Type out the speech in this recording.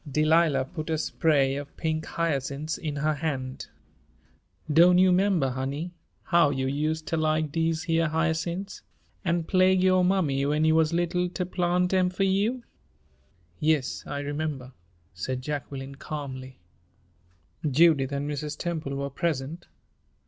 Delilah put a spray of pink hyacinths in her hand. "Doan' you 'member, honey, how you useter like dese heah hy'cints, an' plague yo' mammy when you wuz little ter plant 'em fur you?" "Yes, I remember," said Jacqueline, calmly. Judith and Mrs. Temple were present.